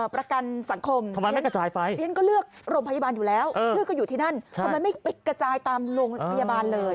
ประกันสังคมทำไมให้กระจายไปเรียนก็เลือกโรงพยาบาลอยู่แล้วชื่อก็อยู่ที่นั่นทำไมไม่ไปกระจายตามโรงพยาบาลเลย